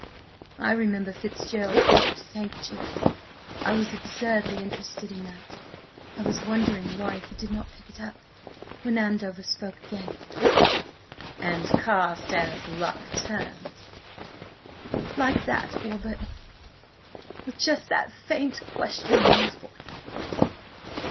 ... I remember Fitzgerald dropped his handkerchief–I was absurdly interested in that. I was wondering why he did not pick it up, when Andover spoke again. ... 'And Carstares' luck turned. ...?' Like that, Warburton! With just that faint, questioning in his voice.